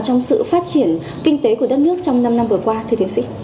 trong sự phát triển kinh tế của đất nước trong năm năm vừa qua thưa tiến sĩ